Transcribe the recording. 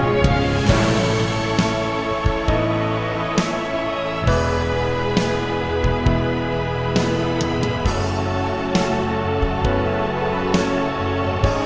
ya allah ya allah